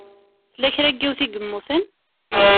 Tella kra n yiwet i yemmuten?